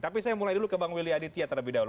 tapi saya mulai dulu ke bang willy aditya terlebih dahulu